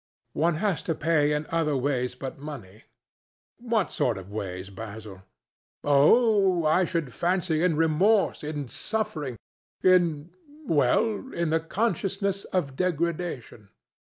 "One has to pay in other ways but money." "What sort of ways, Basil?" "Oh! I should fancy in remorse, in suffering, in ... well, in the consciousness of degradation."